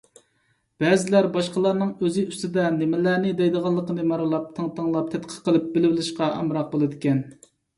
بەزىلەر باشقىلارنىڭ ئۆزى ئۈستىدە نېمىلەرنى دەيدىغانلىقىنى مارىلاپ، تىڭتىڭلاپ، تەتقىق قىلىپ بىلىۋېلىشقا ئامراق بولىدىكەن.